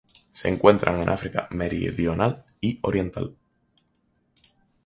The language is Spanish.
Se encuentran en África meridional y oriental.